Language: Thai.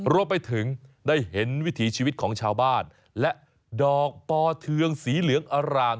รวมไปถึงได้เห็นวิถีชีวิตของชาวบ้านและดอกปอเทืองสีเหลืองอร่าง